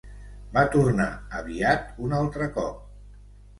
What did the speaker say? Va tornar aviat un altre cop.